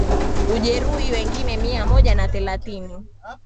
ujeruhi wengine mia moja na thelathini